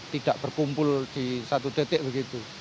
tidak berkumpul di satu detik begitu